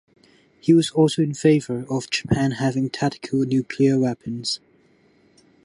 He was also in favour of Japan having tactical nuclear weapons.